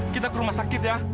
kita ke rumah sakit ya